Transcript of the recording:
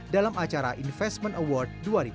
dalam acara investment award dua ribu delapan belas